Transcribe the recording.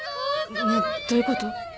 ねえどういうこと？